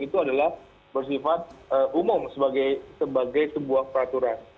itu adalah bersifat umum sebagai sebuah peraturan